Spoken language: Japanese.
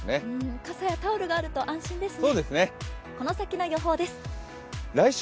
傘やタオルがあると安心ですね。